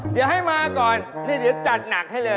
เดี๋ยวให้มาก่อนนี่เดี๋ยวจัดหนักให้เลย